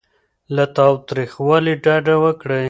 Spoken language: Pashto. له تاوتریخوالي ډډه وکړئ.